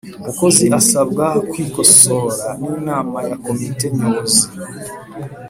Umukozi asabwa kwikosora n’inama ya komite nyobozi